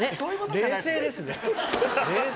冷静ですね冷静。